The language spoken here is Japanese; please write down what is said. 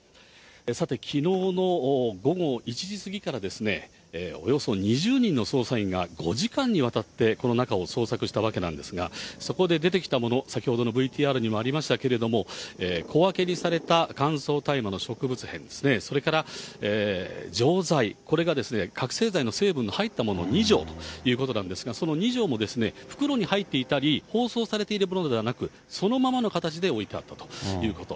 さて、きのうの午後１時過ぎからですね、およそ２０人の捜査員が５時間にわたってこの中を捜索したわけなんですが、そこで出てきたもの、先ほどのＶＴＲにもありましたけれども、小分けにされた乾燥大麻の植物片ですね、それから錠剤、これがですね、覚醒剤の成分が入ったもの２錠ということなんですが、その２錠も袋に入っていたり、包装されているものではなく、そのままの形で置いてあったということ。